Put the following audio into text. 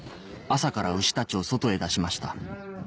朝から牛たちを外へ出しました